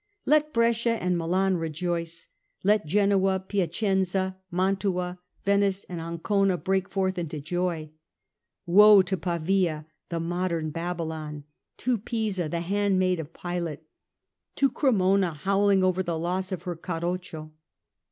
Let Brescia and Milan rejoice ; let Genoa, Piacenza and Mantua, Venice and Ancona break forth into joy. Woe to Pavia, the modern Babylon; to Pisa, the handmaid of Pilate ; to Cremona, howling over the loss of her Carroccio.